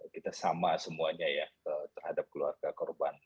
kita sama semuanya ya terhadap keluarga korban